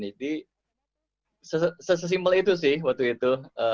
jadi sesimple itu sih waktu itu